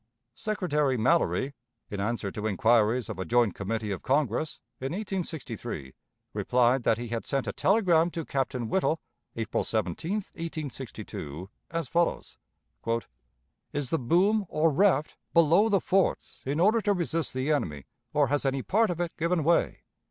Secretary Mallory, in answer to inquiries of a joint committee of Congress, in 1863, replied that he had sent a telegram to Captain Whittle, April 17, 1862, as follows: "Is the boom, or raft, below the forts in order to resist the enemy, or has any part of it given way?